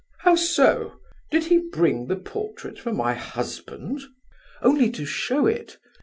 "How so? Did he bring the portrait for my husband?" "Only to show it.